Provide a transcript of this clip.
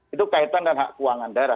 itu kaitan dengan hak keuangan daerah